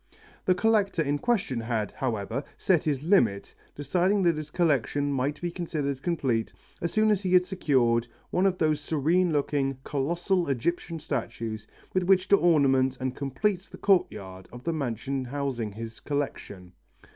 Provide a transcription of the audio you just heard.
The collector in question had, however, set his limit, deciding that his collection might be considered complete as soon as he had secured one of those serene looking, colossal Egyptian statues with which to ornament and complete the courtyard of the mansion housing his collection.